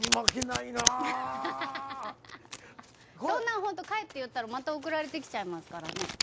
そんなほんと帰って言ったらまた送られてきちゃいますからね。